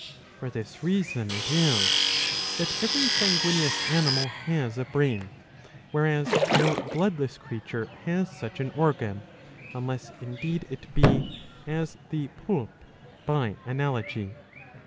^ For this reason it is, that every sanguineous animal has a brain ; whereas no bloodless creature has such an organ, unless indeed it be, as the Poulp, by analogy.